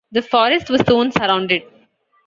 The forest was soon surrounded.